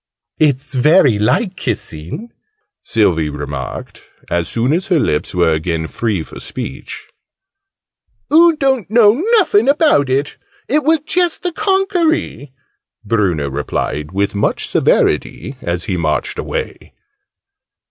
"It's very like kissing!" Sylvie remarked, as soon as her lips were again free for speech. "Oo don't know nuffin about it! It were just the conkery!" Bruno replied with much severity, as he marched away.